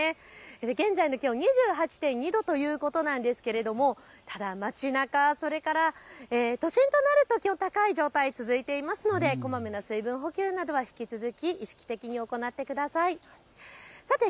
現在の気温２８．２度ということなんですがただ、街なか、それから都心となるときょう気温、高い状態が続いていますのでこまめな水分補給などは引き続き意識的に行ってください。